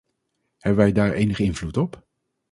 Hebben wij daar enige invloed op?